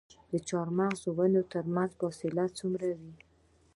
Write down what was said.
د چهارمغز د ونو ترمنځ فاصله څومره وي؟